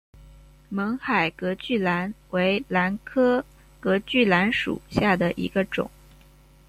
勐海隔距兰为兰科隔距兰属下的一个种。